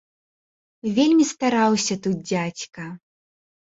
Вельмі стараўся тут дзядзька.